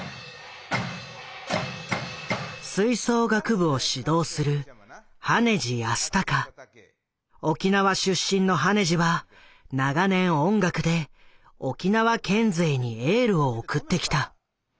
吹奏楽部を指導する沖縄出身の羽地は長年音楽で沖縄県勢にエールを送ってきた。